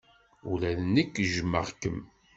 Ula d nekk jjmeɣ-kem.